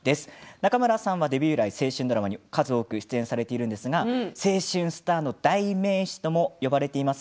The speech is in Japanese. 中村さんはデビュー以来青春ドラマに数多く出演されているんですが青春スターの代名詞とも呼ばれています。